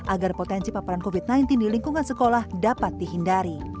agar potensi paparan covid sembilan belas di lingkungan sekolah dapat dihindari